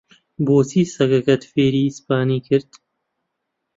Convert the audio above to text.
بۆچی سەگەکەت فێری ئیسپانی کرد؟